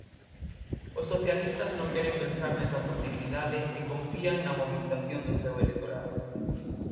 Os socialistas non queren pensar nesa posibilidade e confían na mobilización do seu electorado.